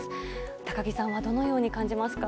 高木さんはどのように感じますか？